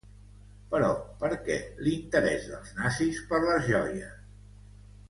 Però per què l’interès dels nazis per les joies?